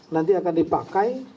nanti akan dipakai